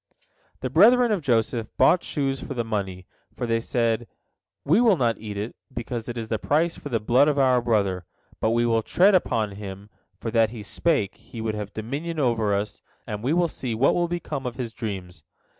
The brethren of Joseph bought shoes for the money, for they said: "We will not eat it, because it is the price for the blood of our brother, but we will tread upon him, for that he spake, he would have dominion over us, and we will see what will become of his dreams."